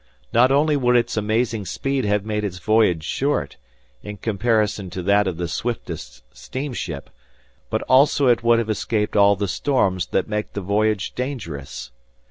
Not only would its amazing speed have made its voyage short, in comparison to that of the swiftest steamship, but also it would have escaped all the storms that make the voyage dangerous.